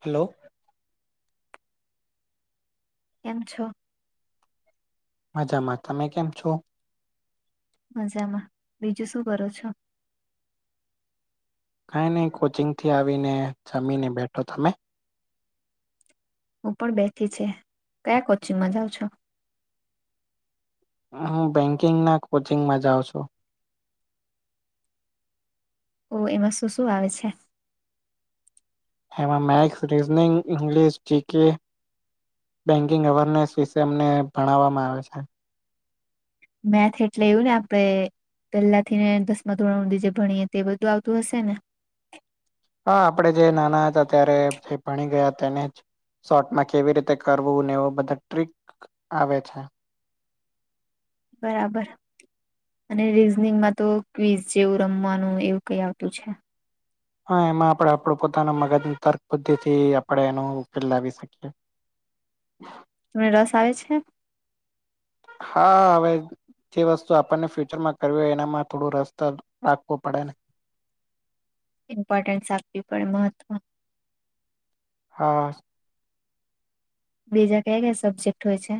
Hello. કેમ છો? મજામાં. તમે કેમ છો? મજામાં. બીજું શું કરો છો? કાંઈ નઈ કોચિંગથી આવીને જમીને બેઠો. તમે? હું પણ બેઠી છે. કયા કોચિંગમાં જાઉં છો? હું બેંકિંગના કોચિંગમાં જાઉં છું. ઓ એમાં શું શું આવે છે? હેમાં maths reasoning English G K, banking awareness વિશે અમને ભણાવવામાં આવે છે. મેથ એટલે એવું ને આપડે- પહેલા થી ને દસમા ધોરણધી જે ભણીએે તે બધું આવતું હશે ને? હા આપણેે જે નાના હતા ત્યારે જે ભણી ગયા તેને જ- શોર્ટમાં કેવી રીતે કરવું ને એવું બધા ટ્રિક આવે છે. બરાબર. અને રીઝનિંગમાં તો ક્વિઝ જેવું રમવાનું એવું કઈ આવતું છે. હા એમાં આપ આપડ પોતાના મગજની તર્ક બુદ્ધિ થી આપણે એનો ઉકેલ લાવી શકીએ. હ તમને રસ આવે છે? હા આવે જે વસ્તુ આપણને ફ્યુચરમાં કરવી હોય એનામાં થોડો રસ ત રાખવો પડે ને. ઇમ્પોર્ટન્સ આપવી પડે મહત્વ. હા. બીજા કયા કયા સબ્જેક્ટ હોય છે?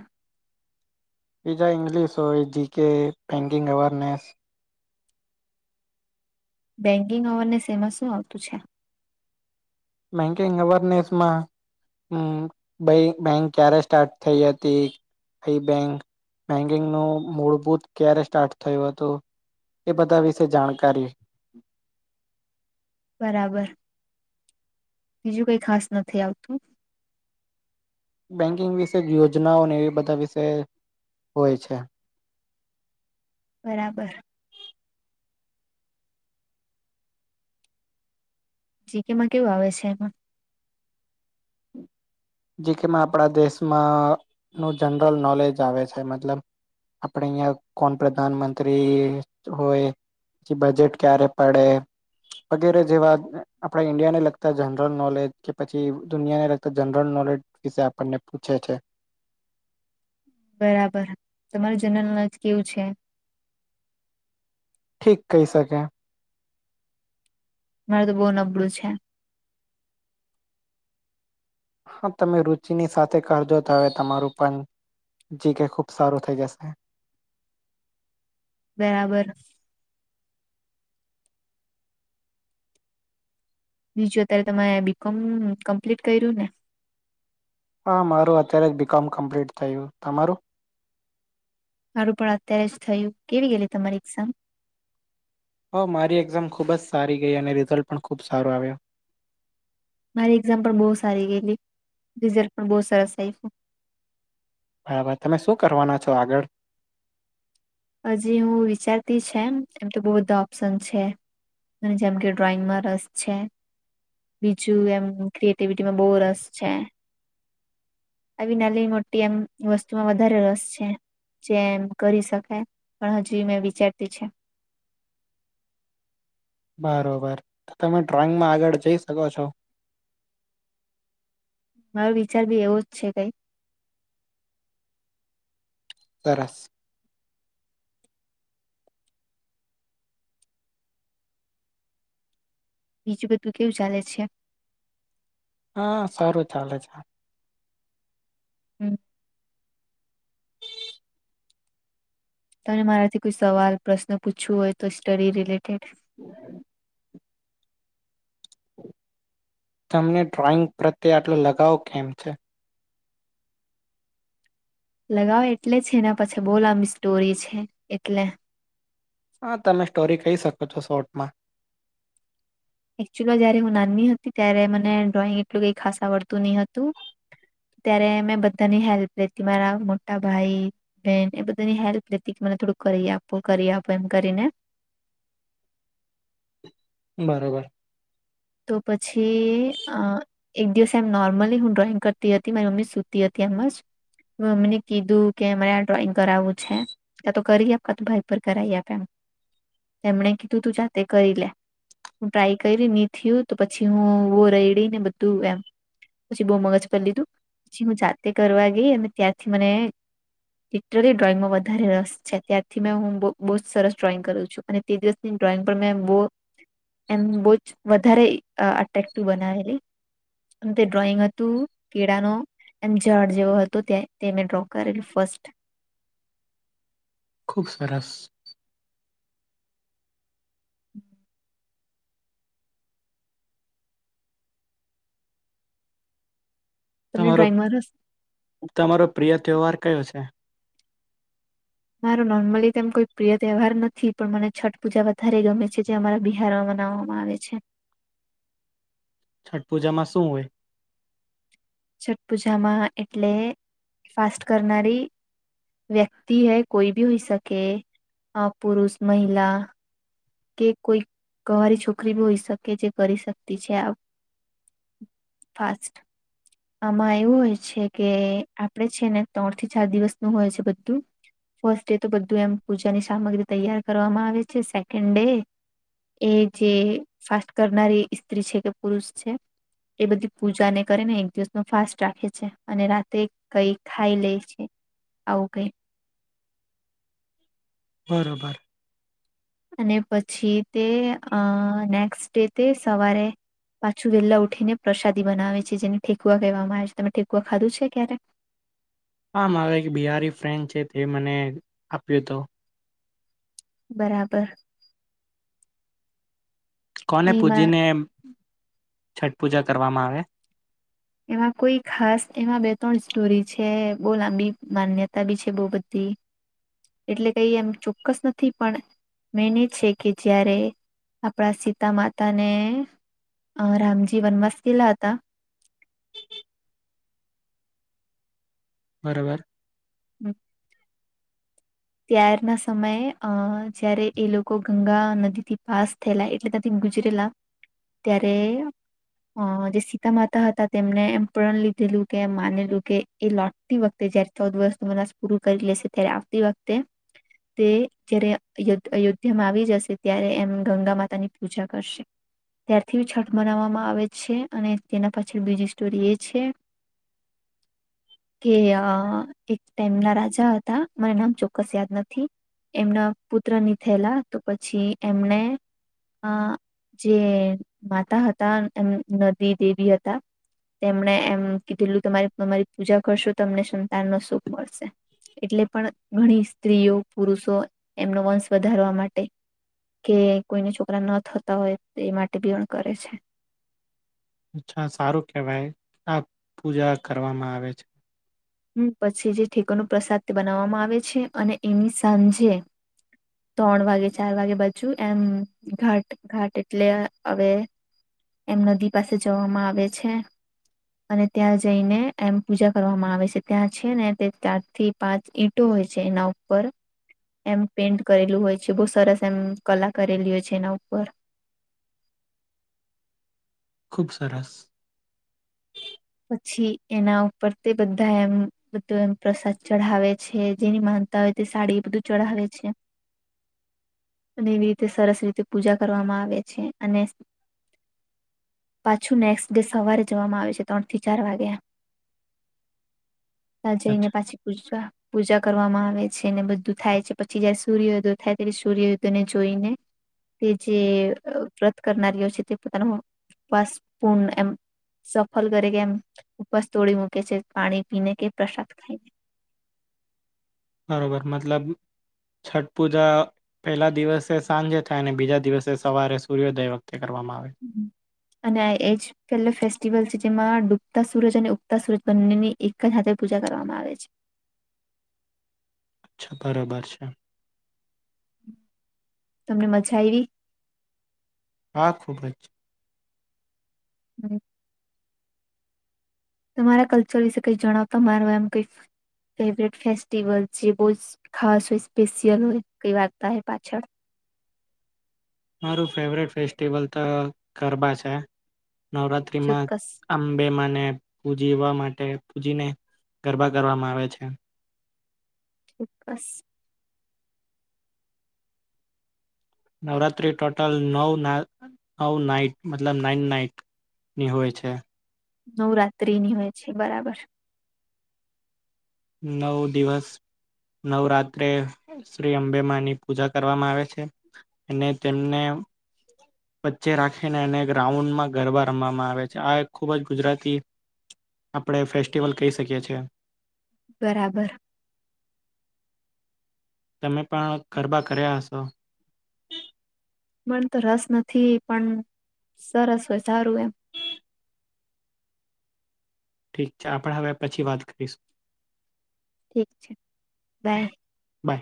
બીજા ઇંગ્લિશ હોય, GK, banking awareness. Banking awareness. એમાં શું આવતું છે? બેંકિંગ અવેરનેસમાં હમ્મ. બઈ-બેંક ક્યારે સ્ટાર્ટ થઈ હતી. કંઈ બેંક, બેન્કિંગનું મૂળભૂત ક્યારે સ્ટાર્ટ થયું હતું? એ બધા વિશે જાણકારી, બરાબર. બીજું કઈ ખાસ નથી આવતું? બેન્કિંગ વિશે યોજનાઓ એ બધા વિષ હોય છે. બરાબર. જી કેમાં કેવું આવે છે એમાં? જીકેમા આપડા દેશમાં નું જનરલ નોલેજ આવે છે મતલબ. આપડ અહિયાં કોણ પ્રધાનમંત્રી હોય? છી બજેટ ક્યારે પડે? વગેરે જેવા આપડા ઈન્ડિયા ને લગતા જનરલ નોલેજ કે પછી દુનિયાને લગતા જનર- જનરલ નોલેજ વિશે આપણને પૂછે છે. બરાબર તમારું જનરલ નોલેજ કેવું છે? ઠીક કહી શકે. મારે તો બહુ નબળું છે. હા તમે રુચિની સાથે કરજો તો હવે તમારું પણ- જી કે ખૂબ સારું થઈ જશે. બરાબર બીજું અત્યારે તમે બીકોમ કમ્પ્લીટ કર્યું ને? હા મારું અત્યારે જ બીકોમ કમ્પ્લીટ થયું તમારું. માારું પણ અત્યારે જ થયું કેવી ગયલી તમારી એક્ઝામ? ઓ મારી એક્ઝામ ખૂબ જ સારી ગઈ અને રિઝલ્ટ પણ ખૂબ સારો આવ્યો. મારી એક્ઝામ પણ બહુ સારી ગયેલી રિઝલ્ટ પણ બહુ સરસ આવ્યું. બરાબર તમે શું કરવાના છો આગળ હજી હું વિચારતી છે એમ એમ તો બહુ બધા ઓપ્શન છે અને જેમ કે ડ્રોઈંગમાં રસ છે બીજું એમ ક્રિએટિવિટીમાં બહુ રસ છે આવી નાની મોટી આમ વસ્તુમાં વધારે રસ છે જે એમ કરી શકાય. પણ હજી એ મેં વિચારતી છે. બરોબર તો તમે ડ્રોઈંગમાં આગળ જઈ શકો છો. મારો વિચાર બી એવો જ છે કઈ. સરસ. બીજું બધું કેવું ચાલે છે? હા સારું ચાલે છે. હમ. તમે મારાથી કોઈ સવાલ પ્રશ્ન પૂછવું હોય તો સ્ટડી રિલેટેડ [inaudible] તમને ડ્રોઈંગ પ્રત્યે આટલો લગાવ કેમ છે? લગાવ એટલે છે એના પછી બહુ લાંબી સ્ટોરી છે એટલે હા તમે સ્ટોરી કહી શકો છો શોર્ટમાં. એક્ચ્યુલી જયારે હું નાની હતી ત્યારે મને ડ્રોઈંગ એટલું કઈ ખાસ આવડતું નહી હતું ત્યારે મેં બધાની હેલ્પ લેતી મારા મોટા ભાઈ બેન એ બધાની હેલ્પ લેતી મને થોડું કરી આપ કરી આપો એમ કરીને બરોબર તો પછી અ એક દિવસ એમ નોર્મલી હું ડ્રોઈંગ કરતી હતી મારી મમ્મી સુતી હતી એમજ મે મમ્મી ને કીધું કે મારે આ ડ્રોઈંગ કરાવવું છે કા તો કરી આપ કા તો ભાઈ પર કરાયએ આપ એમ તેમણે કીધું તું જાતે કરી લે હું ટ્રાય કરી થયું તો પછી હું વો રેડી ને બધું એમ પછી બહુ મગજ પર લીધું પછી હું જાતે કરવા ગઈ અને ત્યાંથી મને લિટરલી ડ્રોઈંગમાં વધારે રસ છે ત્યારથી મે હું બહુ જ સરસ ડ્રોઈંગ કરું છું અને તે દિવસની ડ્રોઈંગ પણ મેં બહું એમ બહુ જ વધારે અટ્રેકટીવ બનાવેલી તે ડ્રોઈંગ હતું કેળા નો એમ ઝાડ જેવો હતો તે મેં ડ્રો કરેલું ફસ્ટ. ખૂબ સરસ. [inaudible] તમને તમારો ડ્રોઈંગમાં રસ તમારો પ્રિય તહેવાર કયો છે? મારો નોર્મલી તો એમ કોઈ પ્રિય તહેવાર નથી પણ મને છઠ પૂજા વધારે ગમે છે જે અમારા બિહારમાં માનાવામાં આવે છે. છઠ પૂજામાં શું હોય? છઠ પૂજામાં એટલે ફાસ્ટ કરનારી વ્યક્તિ હૈ કોઈ ભી હોઈ શકે અ પુરુષ મહિલા કે કોઈ કવારી છોકરી બી હોઈ શકે જે કરી શકતી છે આ ફાસ્ટ આમાં એવું હોય છે કે આપડે છે ને ત્રણ થી ચાર દિવસનું હોય છે બધું ફર્સ્ટ ડે તો બધું એમ પૂજાની સામગ્રી તૈયાર કરવામાં આવે છે સેકન્ડ ડે એ જે ફાસ્ટ કરનારી સ્ત્રી છે કે પુરુષ છે. એ બધી પૂજાને કરીને એક દિવસ નું ફાસ્ટ રાખે છે અને રાત્રે કઈ ખાઈ લે છે. આવું કે. બરોબર. અને પછી તે અ નેક્સ્ટ ડે તે સવારે પાછું, વેહેલા ઉઠીને પ્રસાદી બનાવે છે, જેને ઠેકુવા કહેવામાં આવે છે, તમે ઠેકુવા ખાધું છે, ક્યારે? [inaudible] હ, મારો એક બિહારી ફ્રેન્ડ છે, તે મને આપ્યો હત બરાબર. કોને એમાં પૂજીને, છઠ પૂજા, કરવામાં આવે? એમાં કોઈ ખાસ એમાં બે, ત્રણ સ્ટોરી છે, બહુ લાંબી માન્યતા બી છે, બહુ બધી [inaudible] એટલે કઈ એમ ચોક્કસ નથી પણ મેન એ છે, કે જ્યારે આપણા, સીતા માતા ને અ રામજી વનવાસ કલા હતા. બરોબર હમ. ત્યારના સમયે અ જયારે, એ લોકો ગંગા નદી થી, પાસ થયેલા એટલે તથી ગુજરેલા, ત્યારે અ જે સીતા માતા હતા, તેમને એમ પ્રણ લીધેલું કે એમ, માનેલું કે એ લટતી વખતે જયારે ચૌદ વર્ષ, તો મનાસ પૂરું કરી લેશે ત્યારે આવતી વખતે તે જય્યારે અયોધ્યામાં આવી જશે, ત્યારે એમ ગંગા માતા ની પૂજા કરશે ત્યારથી છઠ, બનાવવામાં આવે છે, અને તેના પાછળ બીજી સ્ટોરી એ છે. કે એક તેમમના રાજા, હતા મરા નામ ચ સદ નથી એમના પુત્રની થેલા, તો પછી એમને આ જે માતા હતા, એમ નદી, દેવી હતા તેમણે એમ કીધેલું તમારી, તમારી પૂજા કરશો તમને સંતાન નશો મળશે એટલે પણ. ની સ્ત્રીઓ, પુરુષો એમનો વંશ વધારવા માટે કે કોઈને છોકરા ન થતા, હોય એ માટે બીણ કરે છે. અચ્છા સારું કેહેવાય, આ પૂજા કરવામાં આવે છે. હમ, પછી જે ઠેકોનો પ્રસાદ તે બનાવવામાં આવે છે, અને એની સાંજે ત્રણ વાગે, ચાર વાગે બાજુ એમ ઘાટ ઘાટ એટલે હવે એમ નદી પાસે જવામાં, આવે છે. અને ત્યાં જઈને, એમ પૂજા કરવામાં આવે છે. ત્યાં છેને, તે ચાર થી પાંચ ઈંટો હોય છે, એના ઉપર. એમ પેઇન્ટ કરેલું હોય છે, બહુ સરસ એમ કલા કરેલી હોય છે, એના ઉપર ખુબ સરસ પછી એના ઉપર તે બધા એમ બધું એમ પ્રસાદ ચઢાવે છે, જેની માનતા હોય સાડી એ બધું ચઢાવે છે. અને એવી રીતે સરસ રીતે પૂજા કરવામાં આવે છે, અને પાછું નેક્સ્ટ ડે સવારે જવામાં આવે છે. ત્રણ થી, ચાર વાગ્યા ત્યાં જઈને, અચ્છા પાછી પૂ પૂજા કરવામાં આવે આવે છેને, બધું થાય છે, પછી જયારે સૂર્યોદય થાય ત્યારે સૂર્યોદયને જોઈને તે જે વ્રત કરનારી હો છે, તે પોતાના બસ પૂણ એમ સ ફલ કરે કે એમ ઉપવાસ તોડી મૂકે છે, પાણી પીને કે પ્રસાદ ખાઈને બરોબર, મતલબ છઠ પૂજા, પહેલા દિવસે સાંજે થાય, અને બીજા દિવસે સવારે સૂર્યોદય વાય અને એજ, પેલો ફેસ્ટિવલ જેમાં ડૂબતા સૂરજ અને ઉગતા સૂરજ બંનેની એક જ હાથે, પૂજા કરવામાં આવે છે. છે બરોબર છે. તમને મજા આયવી હા ખુબ જ હહ તમારા કલ્ચર વિશે કઈ જણાવતા માર એમ કઈ ફેવરેટ ફેસ્ટિવલ જે બહુ જ ખાસ હોય સ્પેશિયલ હોય કઈ વાર્તા એ પાછળ મારું ફેવરિટ ફેસ્ટિવલ તો ગરબા છે નવરાત્રીમાં ચોક્કસ અંબેમાં પૂજીવા માટે પૂજીને ગરબા કરવામાં આવે છે ચોક્કસ નવરાત્રી ટોટલ નવ નાઈટ મતલબ નાઈન નાઈટ ની હોય છે નવરાત્રીની હોય છે બરાબર નવ દિવસ નવરાત્રે શ્રી અંબેમાની પૂજા કરવામાં આવે છે અને તેમને વચ્ચે રાખીને એને ગ્રાઉન્ડમાં ગરબા રમવામાં આવે છે આ એક ખૂબ જ ગુજરાતી આપણે ફેસ્ટિવલ કહી શકીએ છીએ બરાબર તમે પણ ગરબા કર્યા હશો મને તો રસ નથી પણ સરસ હોય સારું એમ ઠીક છે આપણે હવે પછી વાત કરીશું ઠીક છે બાય બાય